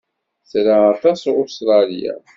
Tra aṭas Ustṛalya.